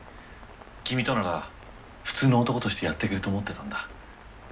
君となら普通の男としてやっていけると思ってたんだ。